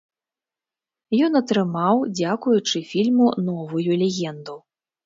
Ён атрымаў, дзякуючы фільму, новую легенду.